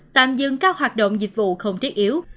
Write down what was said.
tạm dừng các hoạt động dịch vụ không thiết yếu